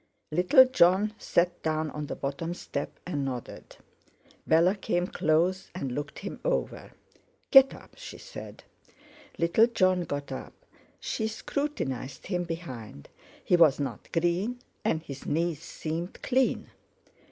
Little Jon sat down on the bottom step, and nodded. Bella came close, and looked him over. "Get up!" she said. Little Jon got up. She scrutinized him behind; he was not green, and his knees seemed clean.